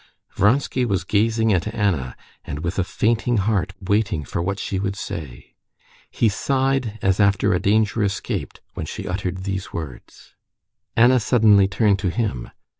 Vronsky was gazing at Anna, and with a fainting heart waiting for what she would say. He sighed as after a danger escaped when she uttered these words. Anna suddenly turned to him.